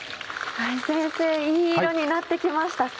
先生いい色になって来ました。